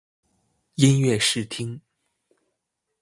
音乐试听